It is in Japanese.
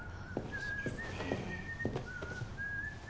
いいですね。